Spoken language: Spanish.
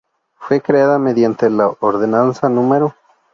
Fue creada mediante la Ordenanza No.